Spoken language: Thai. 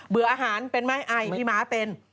อาหารเป็นไหมไอพี่ม้าเป็น